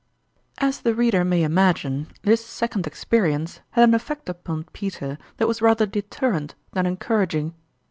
As the reader may imagine, this second ex perience had an effect upon Peter that was rather deterrent than encouraging.